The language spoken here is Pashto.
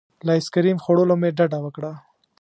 له ایس کریم خوړلو مې ډډه وکړه.